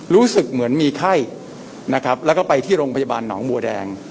รู้สึกเหมือนมีไข้นะครับแล้วก็ไปที่โรงพยาบาลหนองบัวแดง